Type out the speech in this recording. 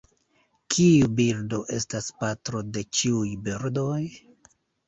Kiu birdo estas patro de ĉiuj birdoj?